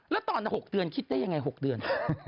แล้วตอน๖เดือนคิดได้ยังไง๖เดือน